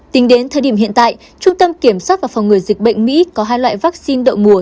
tính đến thời điểm hiện tại trung tâm kiểm soát và phòng ngừa dịch bệnh mỹ có hai loại vaccine đậu mùa